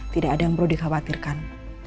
tidak ada yang perlu dikhawatirkan